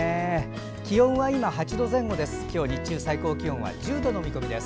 気温は今８度前後です。